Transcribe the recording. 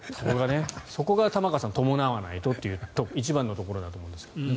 そこが玉川さん伴わないとというところの一番のところだと思うんですけどね。